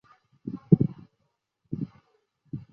圣阿波利奈尔德里阿。